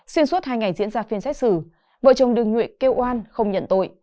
xuyên suốt hai ngày diễn ra phiên xét xử vợ chồng đường nhuệ kêu oan không nhận tội